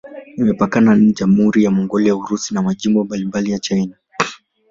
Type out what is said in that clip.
Imepakana na Jamhuri ya Mongolia, Urusi na majimbo mbalimbali ya China.